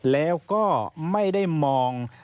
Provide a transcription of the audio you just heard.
แล้วก็ไม่ได้มอง